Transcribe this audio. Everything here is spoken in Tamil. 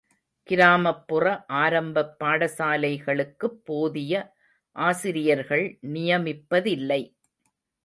கிராமப்புற ஆரம்பப் பாடசாலைகளுக்குப் போதிய ஆசிரியர்கள் நியமிப்பதில்லை!